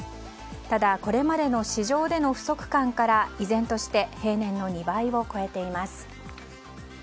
ただ、これまでの市場での不足感から、依然として平年の２倍を超えています。